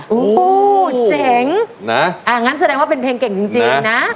ได้ที่หนึ่งหลายที่เลยค่ะอู้วเจ๋งงั้นแสดงว่าเป็นเพลงเก่งจริงนะ